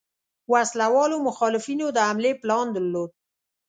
وسله والو مخالفینو د حملې پلان درلود.